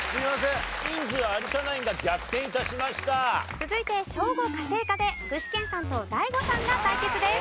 続いて小５家庭科で具志堅さんとＤＡＩＧＯさんが対決です。